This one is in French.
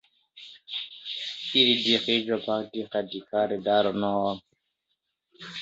Il dirige le Parti radical dans le Nord.